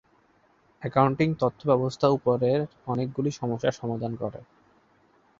Accounting তথ্য ব্যবস্থা উপরের অনেকগুলি সমস্যার সমাধান করে।